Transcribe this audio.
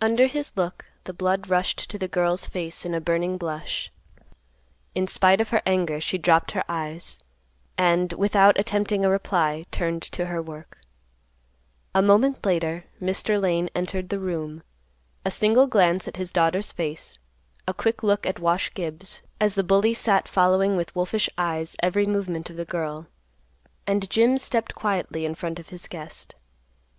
Under his look, the blood rushed to the girl's face in a burning blush. In spite of her anger she dropped her eyes, and, without attempting a reply, turned to her work. A moment later, Mr. Lane entered the room; a single glance at his daughter's face, a quick look at Wash Gibbs, as the bully sat following with wolfish eyes every movement of the girl, and Jim stepped quietly in front of his guest.